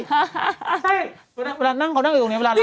ใช่เวลานั่งเขานั่งอยู่ตรงนี้เวลานั่งอยู่ตรงนี้